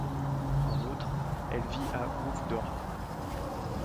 En outre, elle vit à Hoofddorp.